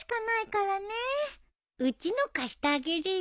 うちの貸してあげるよ。